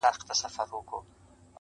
پر هندو او مسلمان یې سلطنت وو-